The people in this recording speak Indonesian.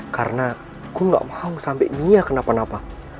karena gue gak mau sampe mia kenapa napa